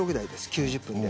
９０分で。